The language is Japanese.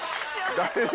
大丈夫？